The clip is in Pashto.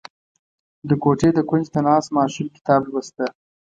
• د کوټې د کونج ته ناست ماشوم کتاب لوسته.